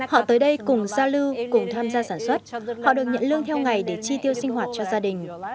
họ tới đây cùng giao lưu cùng tham gia sản xuất họ được nhận lương theo ngày để chi tiêu sinh hoạt cho gia đình